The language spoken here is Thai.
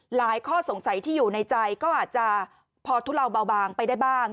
ข้อสงสัยที่อยู่ในใจก็อาจจะพอทุเลาเบาบางไปได้บ้าง